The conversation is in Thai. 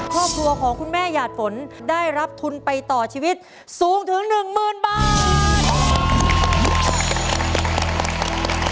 ครอบครัวของคุณแม่หยาดฝนได้รับทุนไปต่อชีวิตสูงถึงหนึ่งหมื่นบาท